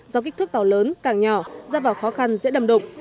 do kích thước tàu lớn càng nhỏ ra vào khó khăn dễ đầm đụng